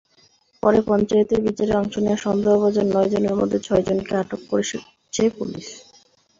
পরে পঞ্চায়েতের বিচারে অংশ নেওয়া সন্দেহভাজন নয়জনের মধ্যে ছয়জনকে আটক করেছে পুলিশ।